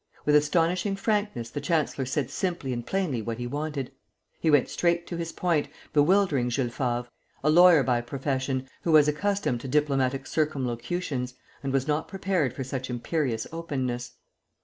With astonishing frankness the chancellor said simply and plainly what he wanted. He went straight to his point, bewildering Jules Favre, a lawyer by profession, who was accustomed to diplomatic circumlocutions, and was not prepared for such imperious openness.